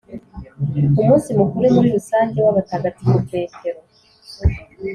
umunsi mukuru muri rusange w’abatagatifu petero